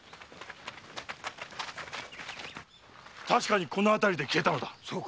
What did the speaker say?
確かにこのあたりで消えたのだ。